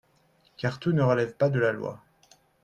car tout ne relève pas de la loi.